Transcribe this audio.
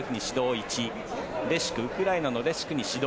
１ウクライナのレシュクに指導